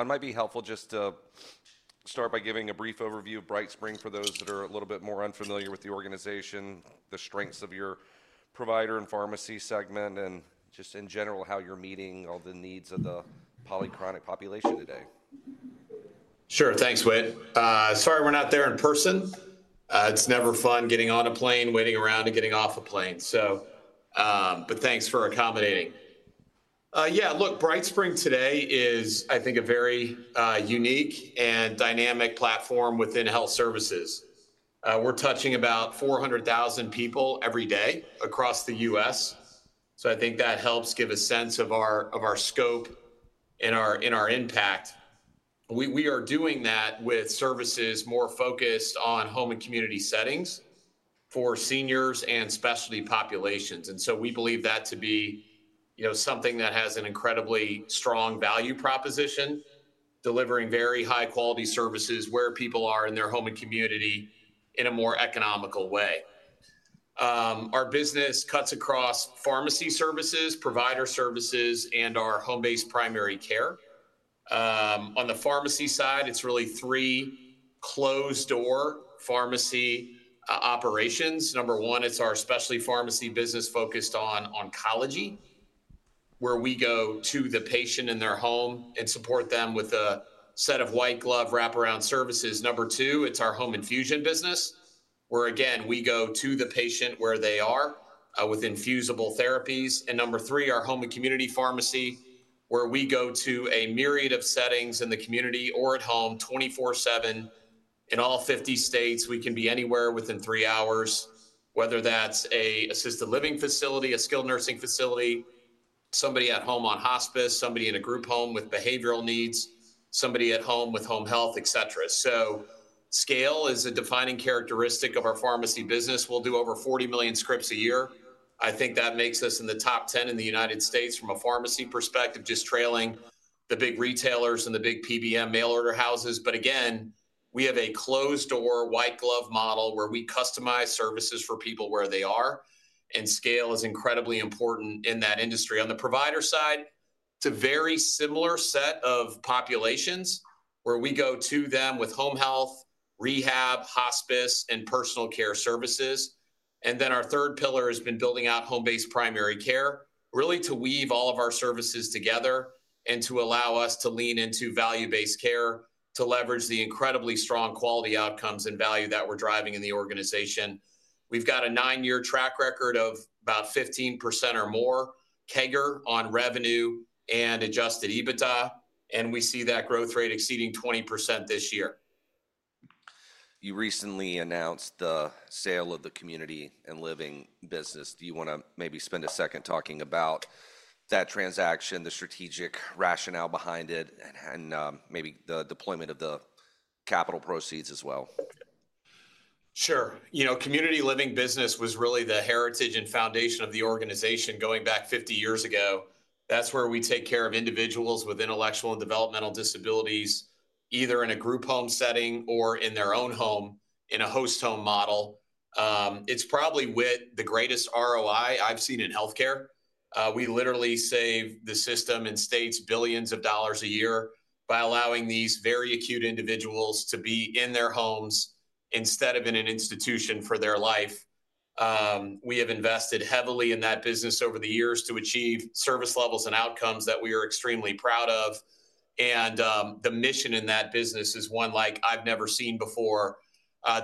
It might be helpful just to start by giving a brief overview of BrightSpring for those that are a little bit more unfamiliar with the organization, the strengths of your provider and pharmacy segment, and just in general how you're meeting all the needs of the polychronic population today. Sure. Thanks, Whit. As far as we're not there in person, it's never fun getting on a plane, waiting around, and getting off a plane. Thanks for accommodating. Yeah, look, BrightSpring today is, I think, a very unique and dynamic platform within health services. We're touching about 400,000 people every day across the U.S. I think that helps give a sense of our scope and our impact. We are doing that with services more focused on home and community settings for seniors and specialty populations. We believe that to be something that has an incredibly strong value proposition, delivering very high-quality services where people are in their home and community in a more economical way. Our business cuts across pharmacy services, provider services, and our home-based primary care. On the pharmacy side, it's really three closed-door pharmacy operations. Number one, it's our specialty pharmacy business focused on oncology, where we go to the patient in their home and support them with a set of white-glove wraparound services. Number two, it's our home infusion business, where, again, we go to the patient where they are with infusible therapies. Number three, our home and community pharmacy, where we go to a myriad of settings in the community or at home 24/7 in all 50 states. We can be anywhere within three hours, whether that's an assisted living facility, a skilled nursing facility, somebody at home on hospice, somebody in a group home with behavioral needs, somebody at home with home health, etc. Scale is a defining characteristic of our pharmacy business. We'll do over 40 million scripts a year. I think that makes us in the top 10 in the U.S. from a pharmacy perspective, just trailing the big retailers and the big PBM mail order houses. We have a closed-door white-glove model where we customize services for people where they are. Scale is incredibly important in that industry. On the provider side, it's a very similar set of populations where we go to them with home health, rehab, hospice, and personal care services. Our third pillar has been building out home-based primary care, really to weave all of our services together and to allow us to lean into value-based care to leverage the incredibly strong quality outcomes and value that we're driving in the organization. We've got a nine-year track record of about 15% or more CAGR on revenue and adjusted EBITDA. We see that growth rate exceeding 20% this year. You recently announced the sale of the community and living business. Do you want to maybe spend a second talking about that transaction, the strategic rationale behind it, and maybe the deployment of the capital proceeds as well? Sure. Community living business was really the heritage and foundation of the organization going back 50 years ago. That's where we take care of individuals with intellectual and developmental disabilities, either in a group home setting or in their own home in a host home model. It's probably, Whit, the greatest ROI I've seen in healthcare. We literally save the system and states billions of dollars a year by allowing these very acute individuals to be in their homes instead of in an institution for their life. We have invested heavily in that business over the years to achieve service levels and outcomes that we are extremely proud of. The mission in that business is one like I've never seen before,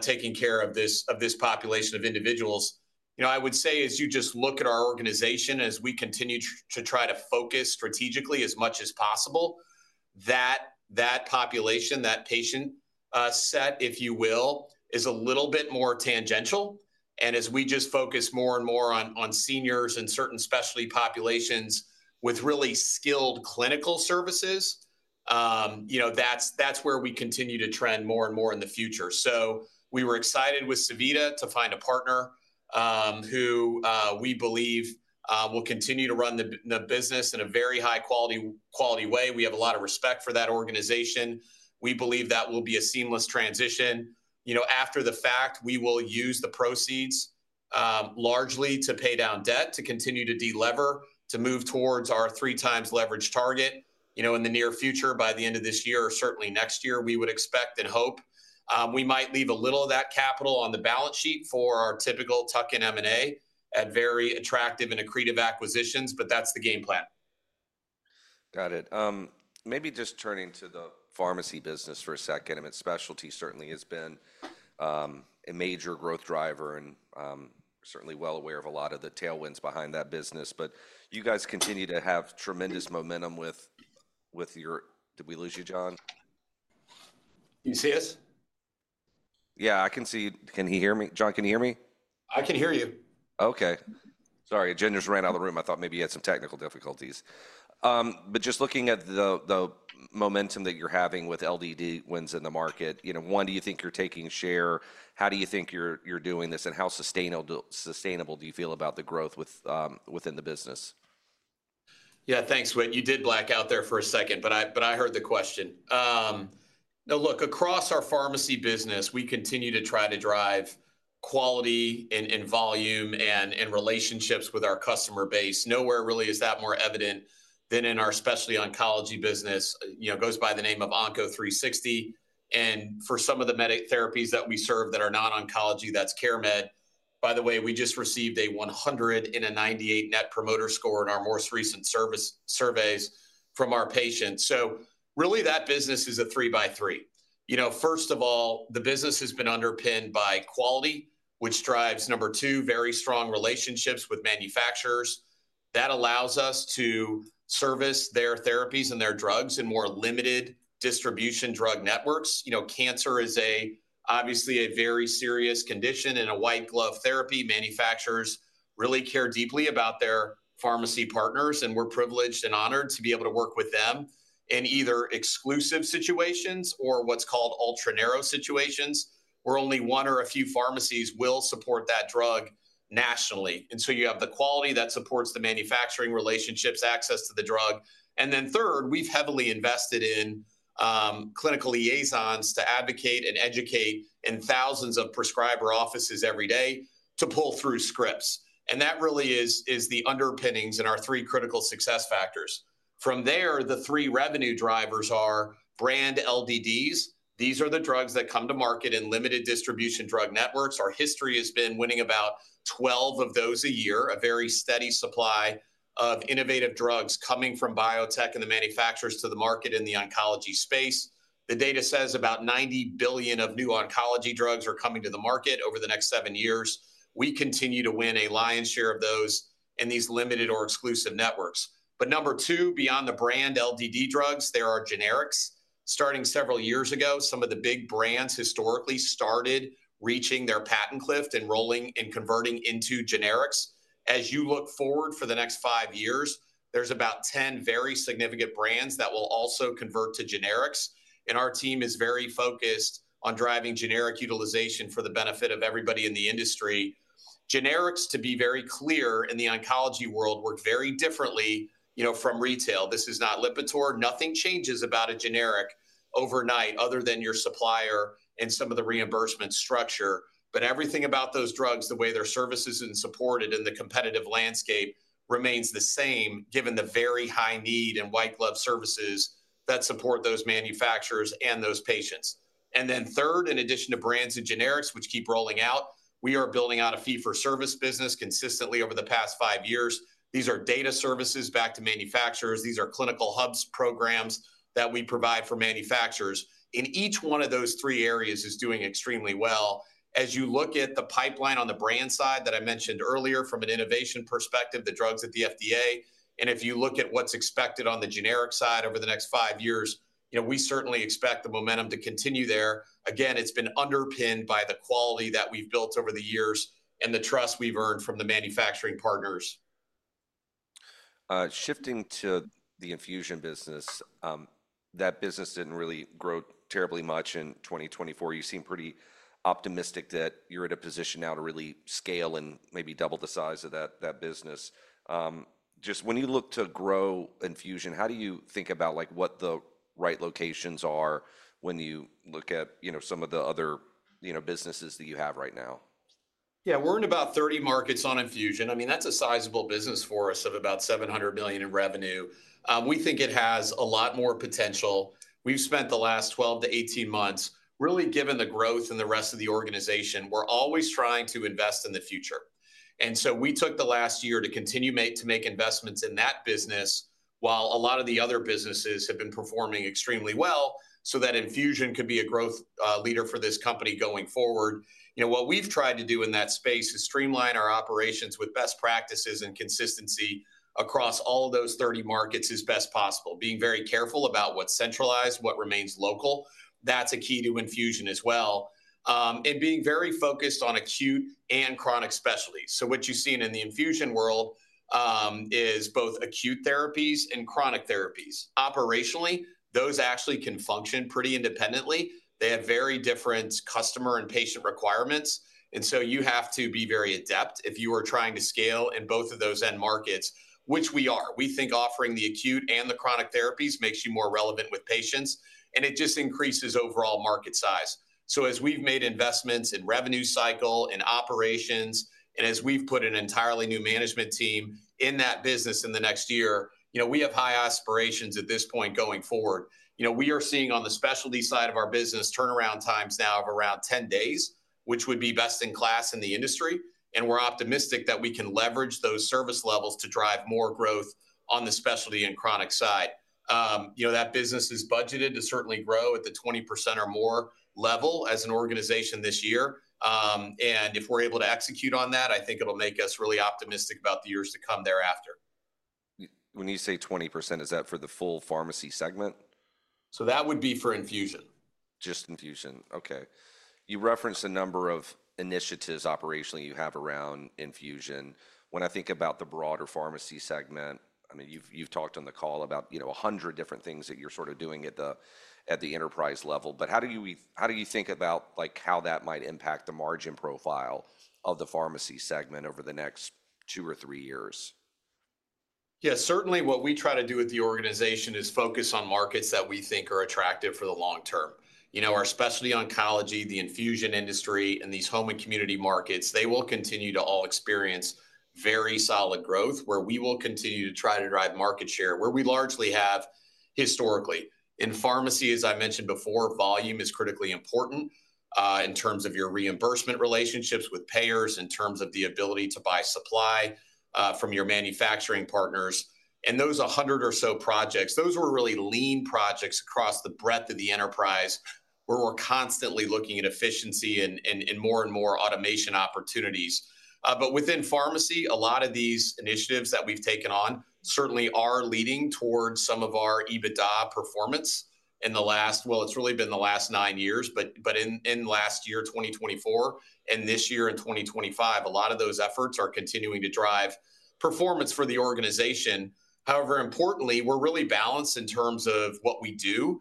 taking care of this population of individuals. I would say, as you just look at our organization, as we continue to try to focus strategically as much as possible, that population, that patient set, if you will, is a little bit more tangential. As we just focus more and more on seniors and certain specialty populations with really skilled clinical services, that's where we continue to trend more and more in the future. We were excited with Sevita to find a partner who we believe will continue to run the business in a very high-quality way. We have a lot of respect for that organization. We believe that will be a seamless transition. After the fact, we will use the proceeds largely to pay down debt, to continue to delever, to move towards our three-times leverage target in the near future. By the end of this year, or certainly next year, we would expect and hope we might leave a little of that capital on the balance sheet for our typical tuck-in M&A at very attractive and accretive acquisitions. That is the game plan. Got it. Maybe just turning to the pharmacy business for a second. I mean, specialty certainly has been a major growth driver and certainly well aware of a lot of the tailwinds behind that business. But you guys continue to have tremendous momentum with your—did we lose you, Jon? Can you see us? Yeah, I can see you. Can he hear me? Jon, can you hear me? I can hear you. Okay. Sorry. Jon just ran out of the room. I thought maybe you had some technical difficulties. Just looking at the momentum that you're having with LDD wins in the market, one, do you think you're taking share? How do you think you're doing this? How sustainable do you feel about the growth within the business? Yeah, thanks, Whit. You did black out there for a second, but I heard the question. Now, look, across our pharmacy business, we continue to try to drive quality and volume and relationships with our customer base. Nowhere really is that more evident than in our specialty oncology business. It goes by the name of Onco360. And for some of the therapies that we serve that are not oncology, that's CareMed. By the way, we just received a 198 net promoter score in our most recent surveys from our patients. So really, that business is a three by three. First of all, the business has been underpinned by quality, which drives, number two, very strong relationships with manufacturers. That allows us to service their therapies and their drugs in more limited distribution drug networks. Cancer is obviously a very serious condition and a white-glove therapy. Manufacturers really care deeply about their pharmacy partners. We're privileged and honored to be able to work with them in either exclusive situations or what's called ultra-narrow situations, where only one or a few pharmacies will support that drug nationally. You have the quality that supports the manufacturing relationships, access to the drug. Third, we've heavily invested in clinical liaisons to advocate and educate in thousands of prescriber offices every day to pull through scripts. That really is the underpinnings and our three critical success factors. From there, the three revenue drivers are brand LDDs. These are the drugs that come to market in limited distribution drug networks. Our history has been winning about 12 of those a year, a very steady supply of innovative drugs coming from biotech and the manufacturers to the market in the oncology space. The data says about $90 billion of new oncology drugs are coming to the market over the next seven years. We continue to win a lion's share of those in these limited or exclusive networks. Number two, beyond the brand LDD drugs, there are generics. Starting several years ago, some of the big brands historically started reaching their patent cliff and rolling and converting into generics. As you look forward for the next five years, there are about 10 very significant brands that will also convert to generics. Our team is very focused on driving generic utilization for the benefit of everybody in the industry. Generics, to be very clear, in the oncology world work very differently from retail. This is not Lipitor. Nothing changes about a generic overnight other than your supplier and some of the reimbursement structure. Everything about those drugs, the way their service is supported in the competitive landscape, remains the same given the very high need and white-glove services that support those manufacturers and those patients. Third, in addition to brands and generics, which keep rolling out, we are building out a fee-for-service business consistently over the past five years. These are data services back to manufacturers. These are clinical hubs programs that we provide for manufacturers. In each one of those three areas, it is doing extremely well. As you look at the pipeline on the brand side that I mentioned earlier from an innovation perspective, the drugs at the FDA, and if you look at what's expected on the generic side over the next five years, we certainly expect the momentum to continue there. Again, it's been underpinned by the quality that we've built over the years and the trust we've earned from the manufacturing partners. Shifting to the infusion business, that business did not really grow terribly much in 2024. You seem pretty optimistic that you are at a position now to really scale and maybe double the size of that business. Just when you look to grow infusion, how do you think about what the right locations are when you look at some of the other businesses that you have right now? Yeah, we're in about 30 markets on infusion. I mean, that's a sizable business for us of about $700 million in revenue. We think it has a lot more potential. We've spent the last 12 to 18 months, really given the growth in the rest of the organization, we're always trying to invest in the future. We took the last year to continue to make investments in that business while a lot of the other businesses have been performing extremely well so that infusion could be a growth leader for this company going forward. What we've tried to do in that space is streamline our operations with best practices and consistency across all of those 30 markets as best possible, being very careful about what's centralized, what remains local. That's a key to infusion as well, and being very focused on acute and chronic specialties. What you've seen in the infusion world is both acute therapies and chronic therapies. Operationally, those actually can function pretty independently. They have very different customer and patient requirements. You have to be very adept if you are trying to scale in both of those end markets, which we are. We think offering the acute and the chronic therapies makes you more relevant with patients. It just increases overall market size. As we've made investments in revenue cycle, in operations, and as we've put an entirely new management team in that business in the next year, we have high aspirations at this point going forward. We are seeing on the specialty side of our business turnaround times now of around 10 days, which would be best in class in the industry. We are optimistic that we can leverage those service levels to drive more growth on the specialty and chronic side. That business is budgeted to certainly grow at the 20% or more level as an organization this year. If we are able to execute on that, I think it will make us really optimistic about the years to come thereafter. When you say 20%, is that for the full pharmacy segment? That would be for infusion. Just infusion. Okay. You referenced a number of initiatives operationally you have around infusion. When I think about the broader pharmacy segment, I mean, you've talked on the call about 100 different things that you're sort of doing at the enterprise level. How do you think about how that might impact the margin profile of the pharmacy segment over the next two or three years? Yeah, certainly what we try to do with the organization is focus on markets that we think are attractive for the long term. Our specialty oncology, the infusion industry, and these home and community markets, they will continue to all experience very solid growth where we will continue to try to drive market share where we largely have historically. In pharmacy, as I mentioned before, volume is critically important in terms of your reimbursement relationships with payers, in terms of the ability to buy supply from your manufacturing partners. Those 100 or so projects, those were really lean projects across the breadth of the enterprise where we're constantly looking at efficiency and more and more automation opportunities. Within pharmacy, a lot of these initiatives that we've taken on certainly are leading towards some of our EBITDA performance in the last, well, it's really been the last nine years, but in last year, 2024, and this year in 2025, a lot of those efforts are continuing to drive performance for the organization. However, importantly, we're really balanced in terms of what we do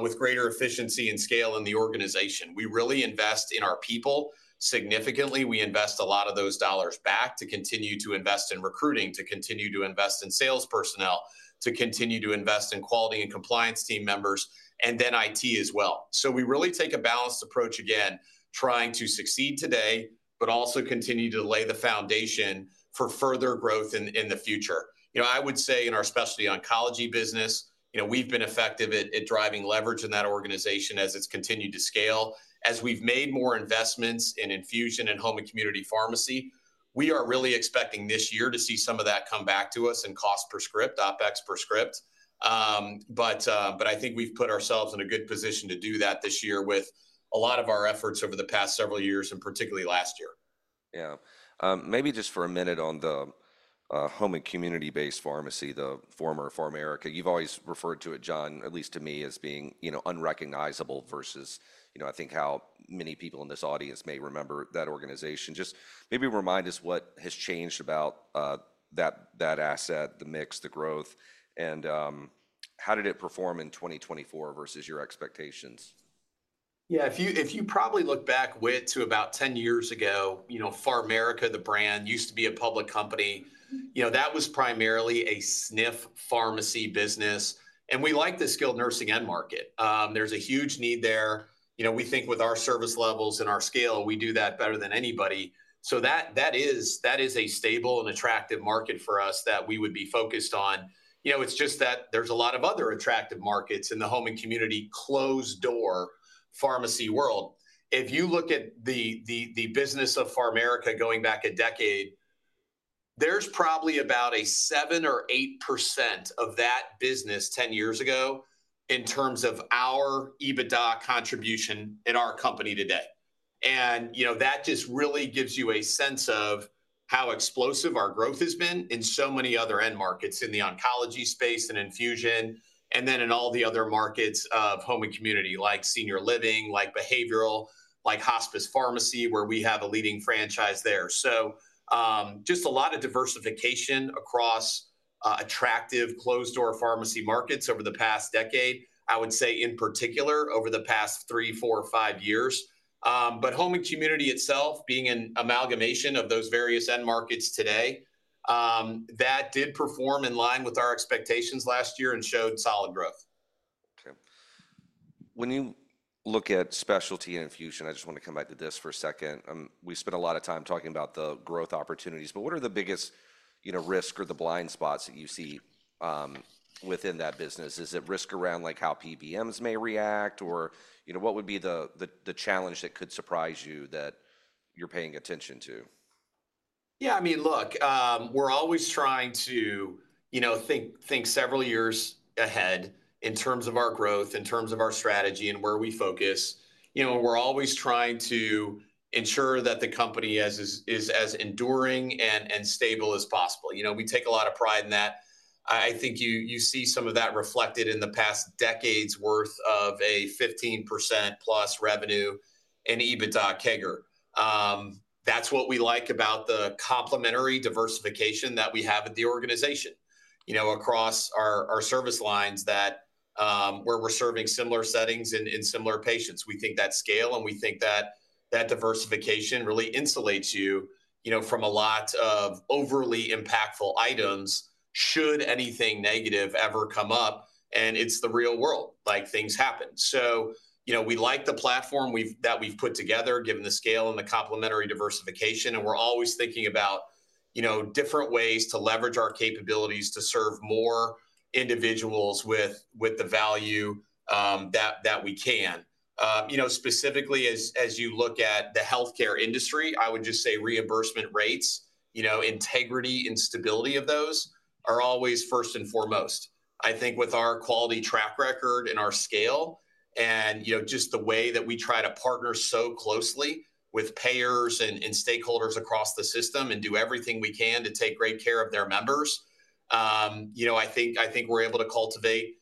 with greater efficiency and scale in the organization. We really invest in our people significantly. We invest a lot of those dollars back to continue to invest in recruiting, to continue to invest in sales personnel, to continue to invest in quality and compliance team members, and then IT as well. We really take a balanced approach again, trying to succeed today, but also continue to lay the foundation for further growth in the future. I would say in our specialty oncology business, we've been effective at driving leverage in that organization as it's continued to scale. As we've made more investments in infusion and home and community pharmacy, we are really expecting this year to see some of that come back to us in cost per script, OpEx per script. I think we've put ourselves in a good position to do that this year with a lot of our efforts over the past several years and particularly last year. Yeah. Maybe just for a minute on the home and community-based pharmacy, the former PharMerica. You've always referred to it, Jon, at least to me, as being unrecognizable versus I think how many people in this audience may remember that organization. Just maybe remind us what has changed about that asset, the mix, the growth, and how did it perform in 2024 versus your expectations? Yeah, if you probably look back, Whit, to about 10 years ago, PharMerica, the brand, used to be a public company. That was primarily a SNF pharmacy business. We like the skilled nursing end market. There's a huge need there. We think with our service levels and our scale, we do that better than anybody. That is a stable and attractive market for us that we would be focused on. It's just that there's a lot of other attractive markets in the home and community closed-door pharmacy world. If you look at the business of PharMerica going back a decade, there's probably about 7% or 8% of that business 10 years ago in terms of our EBITDA contribution in our company today. That just really gives you a sense of how explosive our growth has been in so many other end markets in the oncology space and infusion, and then in all the other markets of home and community like senior living, like behavioral, like hospice pharmacy, where we have a leading franchise there. Just a lot of diversification across attractive closed-door pharmacy markets over the past decade, I would say in particular over the past three, four, five years. Home and community itself, being an amalgamation of those various end markets today, did perform in line with our expectations last year and showed solid growth. Okay. When you look at specialty and infusion, I just want to come back to this for a second. We spent a lot of time talking about the growth opportunities. What are the biggest risks or the blind spots that you see within that business? Is it risk around how PBMs may react, or what would be the challenge that could surprise you that you're paying attention to? Yeah, I mean, look, we're always trying to think several years ahead in terms of our growth, in terms of our strategy and where we focus. We're always trying to ensure that the company is as enduring and stable as possible. We take a lot of pride in that. I think you see some of that reflected in the past decade's worth of a 15% plus revenue and EBITDA CAGR. That's what we like about the complementary diversification that we have at the organization across our service lines where we're serving similar settings and similar patients. We think that scale and we think that diversification really insulates you from a lot of overly impactful items should anything negative ever come up. It's the real world. Things happen. We like the platform that we've put together, given the scale and the complementary diversification. We are always thinking about different ways to leverage our capabilities to serve more individuals with the value that we can. Specifically, as you look at the healthcare industry, I would just say reimbursement rates, integrity, and stability of those are always first and foremost. I think with our quality track record and our scale and just the way that we try to partner so closely with payers and stakeholders across the system and do everything we can to take great care of their members, I think we are able to cultivate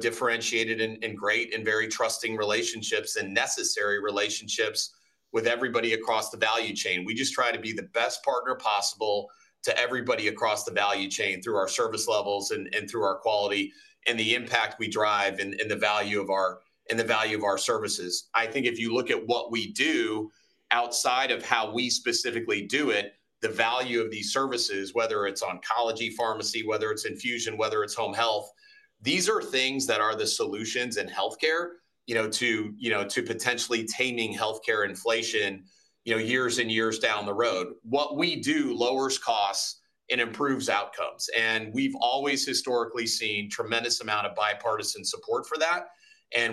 differentiated and great and very trusting relationships and necessary relationships with everybody across the value chain. We just try to be the best partner possible to everybody across the value chain through our service levels and through our quality and the impact we drive and the value of our services. I think if you look at what we do outside of how we specifically do it, the value of these services, whether it's oncology pharmacy, whether it's infusion, whether it's home health, these are things that are the solutions in healthcare to potentially taming healthcare inflation years and years down the road. What we do lowers costs and improves outcomes. We have always historically seen a tremendous amount of bipartisan support for that.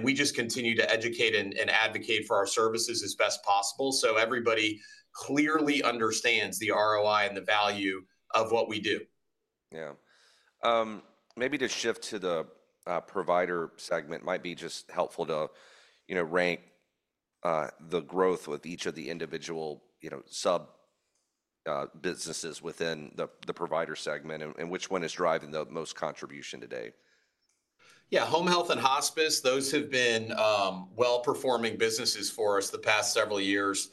We just continue to educate and advocate for our services as best possible so everybody clearly understands the ROI and the value of what we do. Yeah. Maybe to shift to the provider segment, it might be just helpful to rank the growth with each of the individual sub-businesses within the provider segment and which one is driving the most contribution today. Yeah, home health and hospice, those have been well-performing businesses for us the past several years,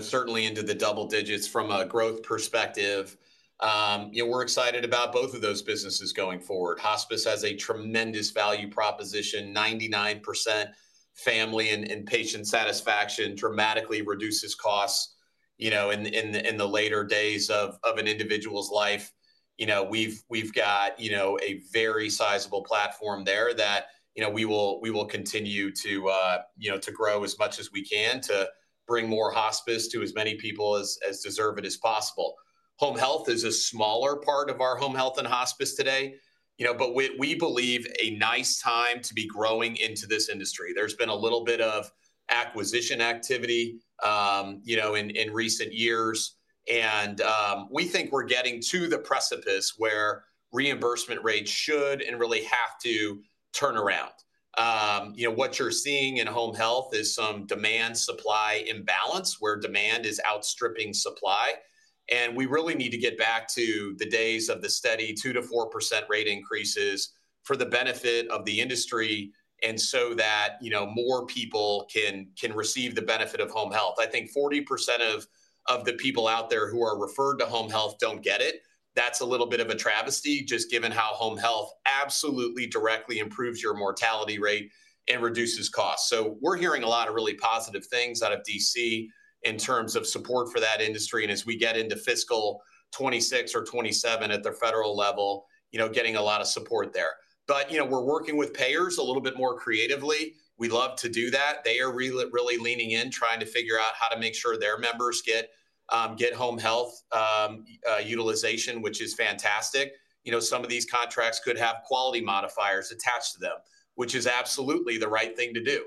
certainly into the double digits from a growth perspective. We're excited about both of those businesses going forward. Hospice has a tremendous value proposition. 99% family and patient satisfaction dramatically reduces costs in the later days of an individual's life. We've got a very sizable platform there that we will continue to grow as much as we can to bring more hospice to as many people as deserved as possible. Home health is a smaller part of our home health and hospice today. We believe a nice time to be growing into this industry. There's been a little bit of acquisition activity in recent years. We think we're getting to the precipice where reimbursement rates should and really have to turn around. What you're seeing in home health is some demand-supply imbalance where demand is outstripping supply. We really need to get back to the days of the steady 2%-4% rate increases for the benefit of the industry and so that more people can receive the benefit of home health. I think 40% of the people out there who are referred to home health don't get it. That's a little bit of a travesty just given how home health absolutely directly improves your mortality rate and reduces costs. We're hearing a lot of really positive things out of D.C. in terms of support for that industry. As we get into fiscal 2026 or 2027 at the federal level, getting a lot of support there. We're working with payers a little bit more creatively. We love to do that. They are really leaning in, trying to figure out how to make sure their members get home health utilization, which is fantastic. Some of these contracts could have quality modifiers attached to them, which is absolutely the right thing to do.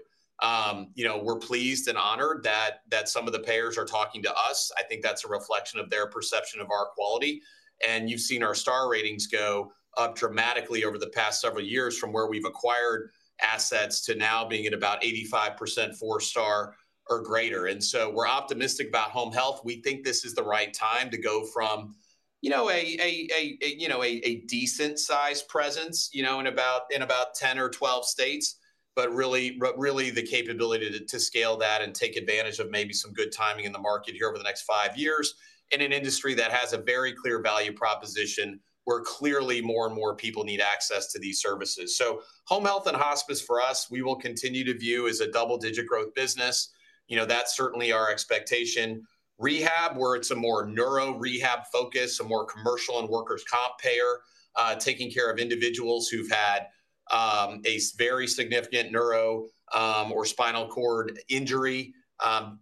We're pleased and honored that some of the payers are talking to us. I think that's a reflection of their perception of our quality. You have seen our star ratings go up dramatically over the past several years from where we have acquired assets to now being at about 85% four-star or greater. We are optimistic about home health. We think this is the right time to go from a decent-sized presence in about 10 or 12 states, but really the capability to scale that and take advantage of maybe some good timing in the market here over the next five years in an industry that has a very clear value proposition where clearly more and more people need access to these services. Home health and hospice for us, we will continue to view as a double-digit growth business. That's certainly our expectation. Rehab, where it's a more neuro rehab focus, a more commercial and workers' comp payer, taking care of individuals who've had a very significant neuro or spinal cord injury,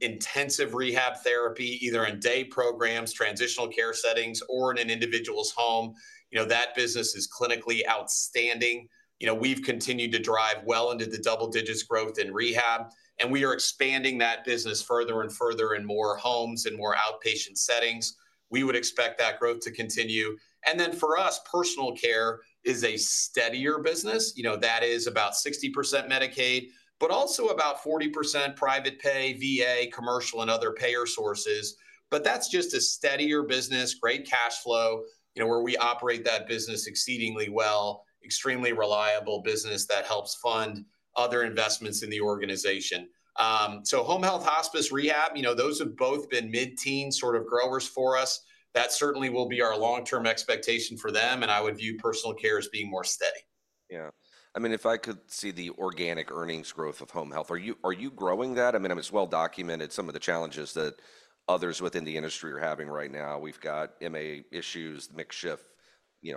intensive rehab therapy, either in day programs, transitional care settings, or in an individual's home. That business is clinically outstanding. We've continued to drive well into the double digits growth in rehab. We are expanding that business further and further in more homes and more outpatient settings. We would expect that growth to continue. For us, personal care is a steadier business. That is about 60% Medicaid, but also about 40% private pay, VA, commercial, and other payer sources. That is just a steadier business, great cash flow, where we operate that business exceedingly well, extremely reliable business that helps fund other investments in the organization. Home health, hospice, rehab, those have both been mid-teen sort of growers for us. That certainly will be our long-term expectation for them. I would view personal care as being more steady. Yeah. I mean, if I could see the organic earnings growth of home health, are you growing that? I mean, it's well documented, some of the challenges that others within the industry are having right now. We've got MA issues, mixed shift,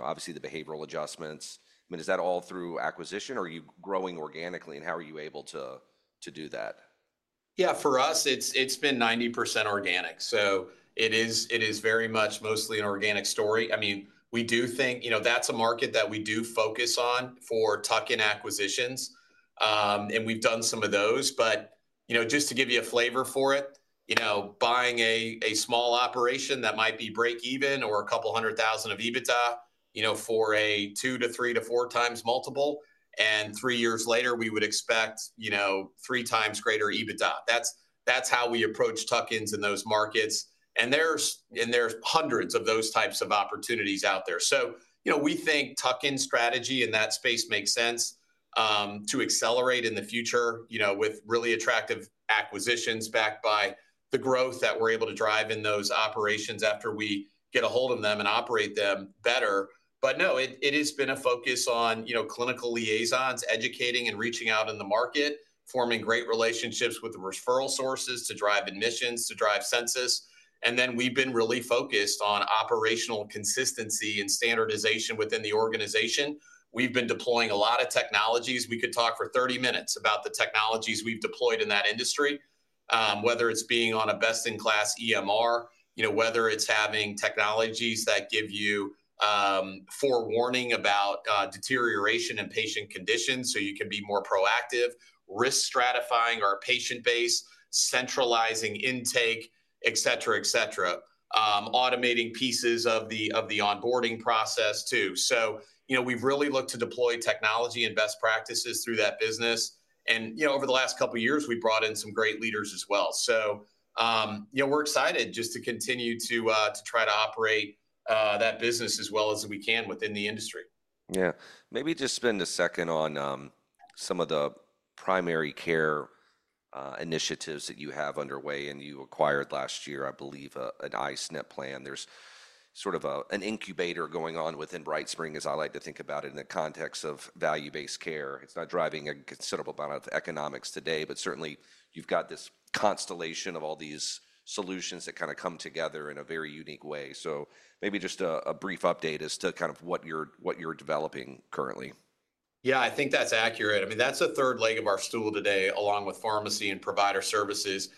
obviously the behavioral adjustments. I mean, is that all through acquisition, or are you growing organically, and how are you able to do that? Yeah, for us, it's been 90% organic. It is very much mostly an organic story. I mean, we do think that's a market that we do focus on for tuck-in acquisitions. We've done some of those. Just to give you a flavor for it, buying a small operation that might be break-even or a couple hundred thousand of EBITDA for a two to three to four times multiple, and three years later, we would expect three times greater EBITDA. That's how we approach tuck-ins in those markets. There are hundreds of those types of opportunities out there. We think tuck-in strategy in that space makes sense to accelerate in the future with really attractive acquisitions backed by the growth that we're able to drive in those operations after we get a hold of them and operate them better. No, it has been a focus on clinical liaisons, educating and reaching out in the market, forming great relationships with the referral sources to drive admissions, to drive census. We have been really focused on operational consistency and standardization within the organization. We have been deploying a lot of technologies. We could talk for 30 minutes about the technologies we have deployed in that industry, whether it is being on a best-in-class EMR, whether it is having technologies that give you forewarning about deterioration in patient conditions so you can be more proactive, risk stratifying our patient base, centralizing intake, et cetera, et cetera, automating pieces of the onboarding process too. We have really looked to deploy technology and best practices through that business. Over the last couple of years, we brought in some great leaders as well. We're excited just to continue to try to operate that business as well as we can within the industry. Yeah. Maybe just spend a second on some of the primary care initiatives that you have underway. You acquired last year, I believe, an I-SNP plan. There is sort of an incubator going on within BrightSpring, as I like to think about it, in the context of value-based care. It is not driving a considerable amount of economics today, but certainly, you have got this constellation of all these solutions that kind of come together in a very unique way. Maybe just a brief update as to kind of what you are developing currently. Yeah, I think that's accurate. I mean, that's a third leg of our stool today, along with pharmacy and provider services.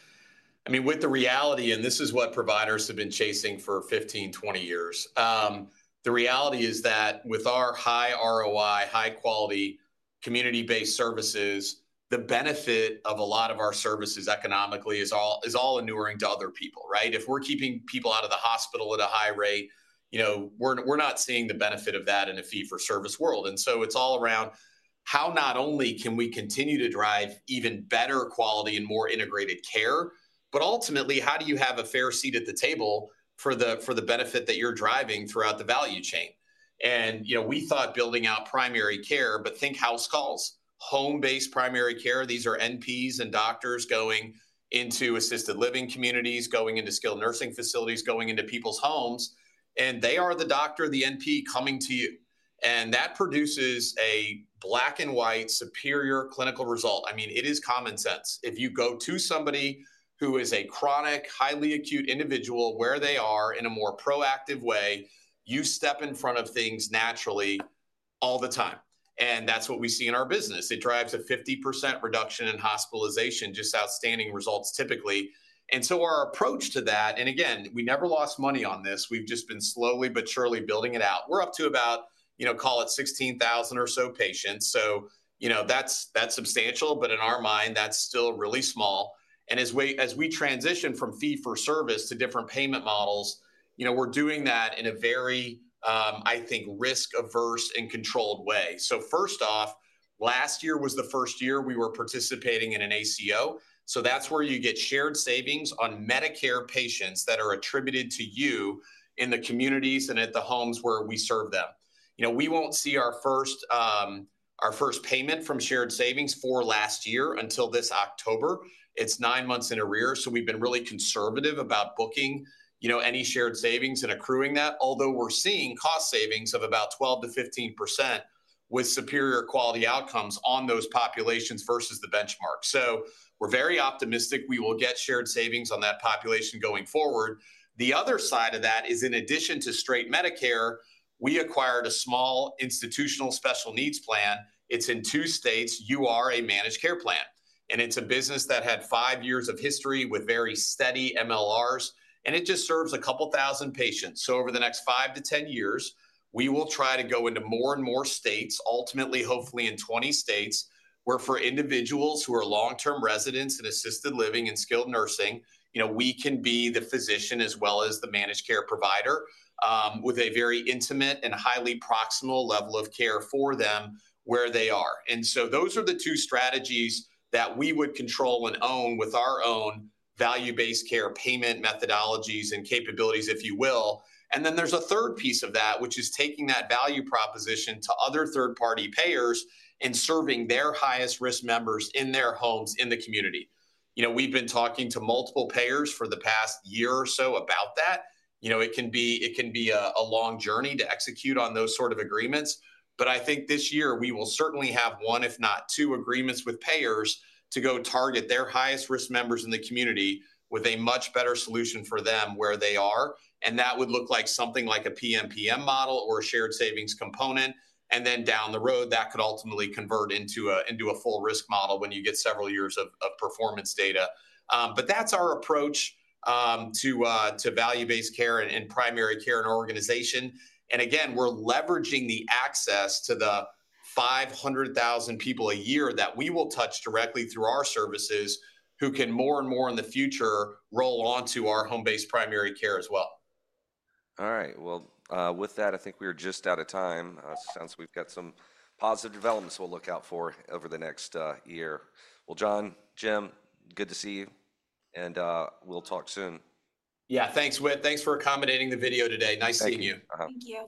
I mean, with the reality, and this is what providers have been chasing for 15, 20 years, the reality is that with our high ROI, high-quality community-based services, the benefit of a lot of our services economically is all innerring to other people, right? If we're keeping people out of the hospital at a high rate, we're not seeing the benefit of that in a fee-for-service world. It's all around how not only can we continue to drive even better quality and more integrated care, but ultimately, how do you have a fair seat at the table for the benefit that you're driving throughout the value chain? We thought building out primary care, but think house calls, home-based primary care. These are NPs and doctors going into assisted living communities, going into skilled nursing facilities, going into people's homes. They are the doctor, the NP coming to you. That produces a black-and-white superior clinical result. I mean, it is common sense. If you go to somebody who is a chronic, highly acute individual, where they are in a more proactive way, you step in front of things naturally all the time. That is what we see in our business. It drives a 50% reduction in hospitalization, just outstanding results typically. Our approach to that, and again, we never lost money on this. We've just been slowly but surely building it out. We're up to about, call it 16,000 or so patients. That is substantial. In our mind, that is still really small. As we transition from fee-for-service to different payment models, we're doing that in a very, I think, risk-averse and controlled way. First off, last year was the first year we were participating in an ACO. That's where you get shared savings on Medicare patients that are attributed to you in the communities and at the homes where we serve them. We won't see our first payment from shared savings for last year until this October. It's nine months in arrears. We've been really conservative about booking any shared savings and accruing that, although we're seeing cost savings of about 12%-15% with superior quality outcomes on those populations versus the benchmark. We're very optimistic we will get shared savings on that population going forward. The other side of that is, in addition to straight Medicare, we acquired a small institutional special needs plan. It's in two states. You are a managed care plan. And it's a business that had five years of history with very steady MLRs. And it just serves a couple thousand patients. Over the next 5 to 10 years, we will try to go into more and more states, ultimately, hopefully in 20 states, where for individuals who are long-term residents in assisted living and skilled nursing, we can be the physician as well as the managed care provider with a very intimate and highly proximal level of care for them where they are. Those are the two strategies that we would control and own with our own value-based care payment methodologies and capabilities, if you will. There is a third piece of that, which is taking that value proposition to other third-party payers and serving their highest-risk members in their homes in the community. We've been talking to multiple payers for the past year or so about that. It can be a long journey to execute on those sort of agreements. I think this year, we will certainly have one, if not two agreements with payers to go target their highest-risk members in the community with a much better solution for them where they are. That would look like something like a PMPM model or a shared savings component. Down the road, that could ultimately convert into a full-risk model when you get several years of performance data. That's our approach to value-based care and primary care in our organization. Again, we're leveraging the access to the 500,000 people a year that we will touch directly through our services who can more and more in the future roll onto our home-based primary care as well. All right. With that, I think we are just out of time. It sounds we've got some positive developments we'll look out for over the next year. John, Jim, good to see you. We'll talk soon. Yeah, thanks, Whit. Thanks for accommodating the video today. Nice seeing you. Thank you.